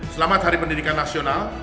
selamat hari pendidikan nasional